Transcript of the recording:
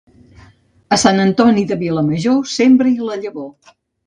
A Sant Antoni de Vilamajor sembra-hi la llavor